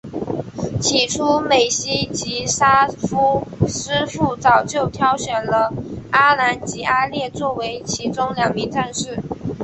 起初美希及沙夫师傅早就挑选了阿兰及阿烈作为其中两名战士。